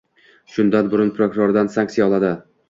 Shundan burun prokurordan sanksiya oladi